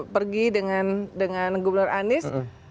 pergi dengan gubernur anies